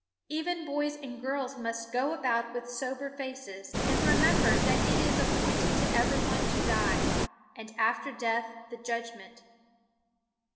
Even boys and girls must go about with sober faces, and remember that it is appointed to every one to die, and after death the judgment.